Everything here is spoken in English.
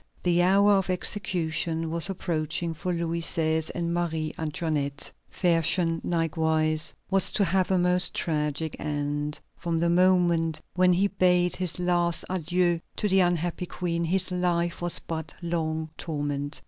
The hour of execution was approaching for Louis XVI. and Marie Antoinette. Fersen, likewise, was to have a most tragic end. From the moment when he bade his last adieu to the unhappy Queen, his life was but one long torment.